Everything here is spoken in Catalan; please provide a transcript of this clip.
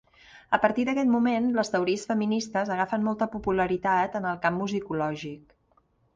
A partir d'aquest moment, les teories feministes agafen molta popularitat en el camp musicològic.